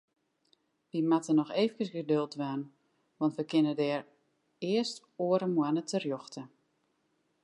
Wy moatte noch eefkes geduld dwaan, want we kinne dêr earst oare moanne terjochte.